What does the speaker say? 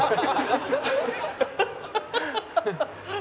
ハハハハ！